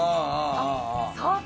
あっ。